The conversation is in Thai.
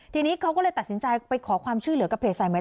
ทีนี้เขาก็เลยตัดสินใจไปขอความชื่อเหลือกระเภทใส่ไหม